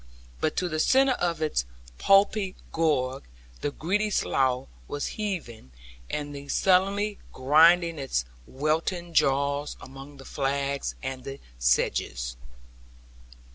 But to the center of its pulpy gorge the greedy slough was heaving, and sullenly grinding its weltering jaws among the flags and the sedges.